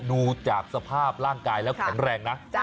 ดูจากสภาพร่างกายแล้วแข็งแรงนะ